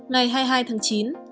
ngày hai mươi hai tháng chín